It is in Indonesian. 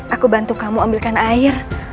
aku bantu kamu ambilkan air